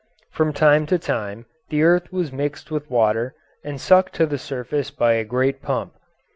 From time to time the earth was mixed with water and sucked to the surface by a great pump.